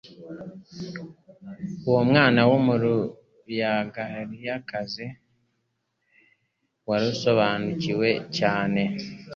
Uwo mwana w'Umuruyagalilaya wari usobanukiwe cyane,